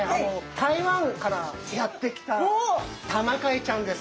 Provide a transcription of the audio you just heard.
台湾からやって来たタマカイちゃんです。